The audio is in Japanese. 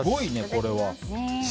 これは。